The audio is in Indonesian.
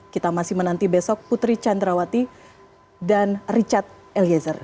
kita masih menanti besok putri candrawati dan richard eliezer